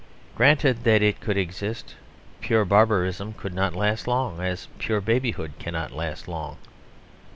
Granted that it could exist, pure barbarism could not last long; as pure babyhood cannot last long.